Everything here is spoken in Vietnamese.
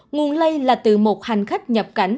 nguồn lây là từ một hành khách nhập cảnh